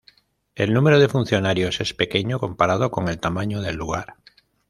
El número de funcionarios es pequeño, comparado con el tamaño del lugar.